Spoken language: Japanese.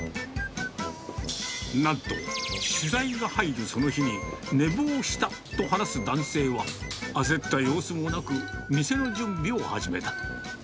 なんと取材が入るその日に、寝坊したと話す男性は、焦った様子もなく、店の準備を始めた。